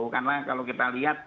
karena kalau kita lihat